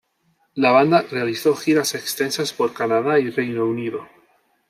La banda realizó giras extensas por Canadá y Reino Unido.